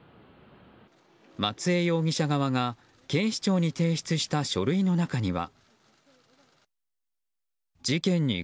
松江容疑者側が警視庁に提出した書類の中には。